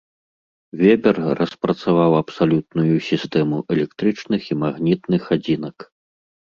Вебер распрацаваў абсалютную сістэму электрычных і магнітных адзінак.